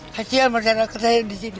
kasihan masyarakat saya di sini